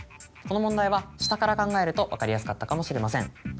この問題は下から考えると分かりやすかったかもしれません。